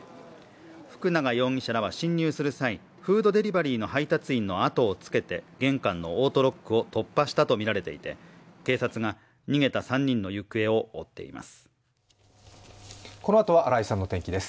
福永容疑者らは侵入する際フードデリバリーの配達員の後をつけて玄関のオートロックを突破したとみられていて警察が逃げた３人の行方を追っています。